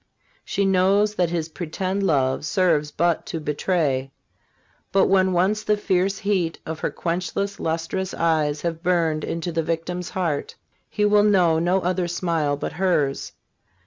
She knows that his pretended love serves but to betray. But when once the fierce heat of her quenchless, lustrous eyes has burned into the victim's heart, he will know no other smile but hers.